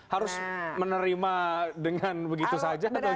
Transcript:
harus menerima dengan begitu saja atau